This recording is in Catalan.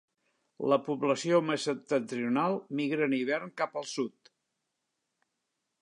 La població més septentrional migra en hivern cap al sud.